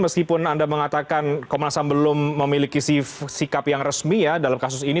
meskipun anda mengatakan komnas ham belum memiliki sikap yang resmi ya dalam kasus ini